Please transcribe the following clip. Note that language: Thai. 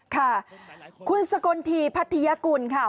ค่ะคุณสกลทีพัทยกุลค่ะ